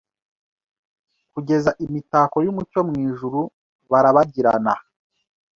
Kugeza imitako yumucyo mwijuru barabagirana